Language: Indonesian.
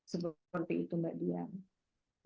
seperti itu mbak dian